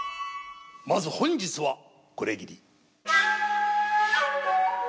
まず本日はこれぎり。